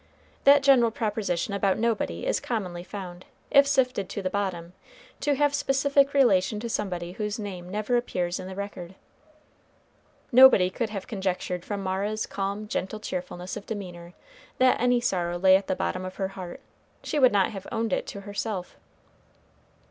That general proposition about nobody is commonly found, if sifted to the bottom, to have specific relation to somebody whose name never appears in the record. Nobody could have conjectured from Mara's calm, gentle cheerfulness of demeanor, that any sorrow lay at the bottom of her heart; she would not have owned it to herself.